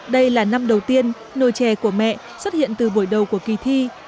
đây là năm đầu tiên nồi chè của mẹ xuất hiện từ buổi đầu của kỳ thi